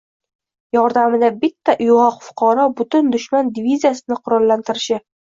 yordamida bitta uyg‘oq fuqaro butun dushman diviziyasini qurollantirishi